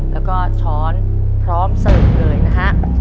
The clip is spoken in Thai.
และช้อนพร้อมเสริมเลยนะฮะ